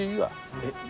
えっ？